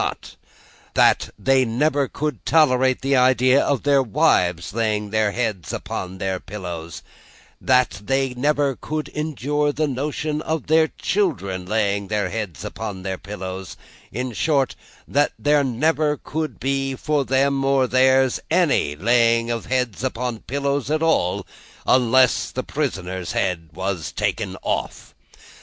That, they never could lay their heads upon their pillows; that, they never could tolerate the idea of their wives laying their heads upon their pillows; that, they never could endure the notion of their children laying their heads upon their pillows; in short, that there never more could be, for them or theirs, any laying of heads upon pillows at all, unless the prisoner's head was taken off.